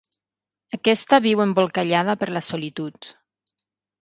Aquesta viu embolcallada per la solitud.